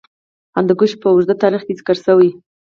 هندوکش په اوږده تاریخ کې ذکر شوی.